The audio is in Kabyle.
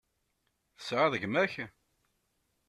Tesεiḍ gma-k?